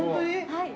はい。